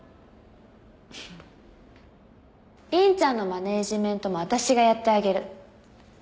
凛ちゃんのマネジメントも私がやってあげる。